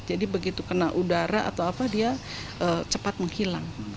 jadi begitu kena udara atau apa dia cepat menghilang